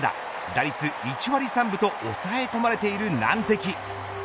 打率１割３分と抑え込まれている難敵。